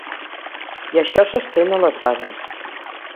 I això s’estén a les bases.